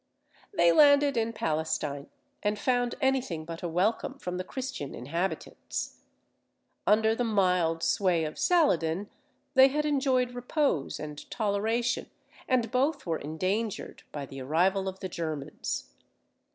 They landed in Palestine, and found any thing but a welcome from the Christian inhabitants. Under the mild sway of Saladin, they had enjoyed repose and toleration, and both were endangered by the arrival of the Germans.